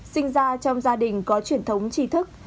sinh ra trong gia đình có truyền thống chi thức